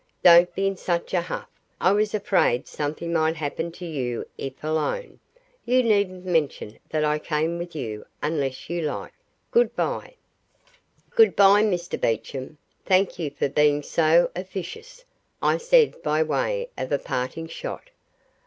Don't be in such a huff I was afraid something might happen you if alone. You needn't mention that I came with you unless you like. Good bye." "Good bye, Mr Beecham. Thank you for being so officious," I said by way of a parting shot.